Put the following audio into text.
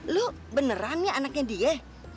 lu beneran ya anaknya dia